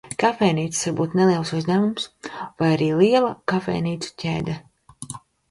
Kafejnīcas var būt neliels uzņēmums vai arī liela kafejnīcu ķēde.